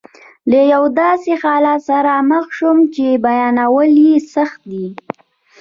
له یو داسې حالت سره مخ شوم چې بیانول یې سخت دي.